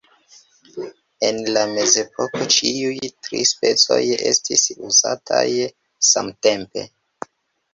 En la Mezepoko ĉiuj tri specoj estis uzataj samtempe.